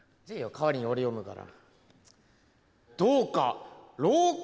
代わりに俺読むから。